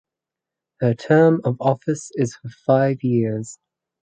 Her term of office is for five years.